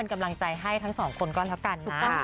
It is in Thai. กำลังใจให้ทั้งสองคนก็แล้วกัน